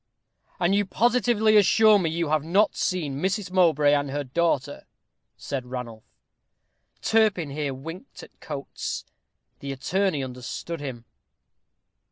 "And you positively assure me you have not seen Mrs. Mowbray and her daughter?" said Ranulph. Turpin here winked at Coates. The attorney understood him.